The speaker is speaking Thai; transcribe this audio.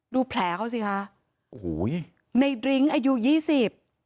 ดูแผลเขาสิคะโอ้โหในดริ้งอายุยี่สิบ